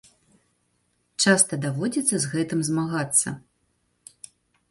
Часта даводзіцца з гэтым змагацца.